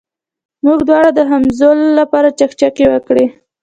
موږ دواړو د هولمز لپاره چکچکې وکړې.